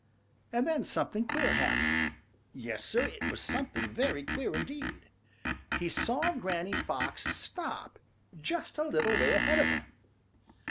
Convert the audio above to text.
And then something queer happened. Yes, Sir, it was something very queer indeed. He saw Granny Fox stop just a little way ahead of him.